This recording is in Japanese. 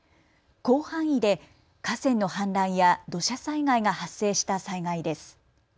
広範囲で河川の氾濫や土砂災害が発生した災害です。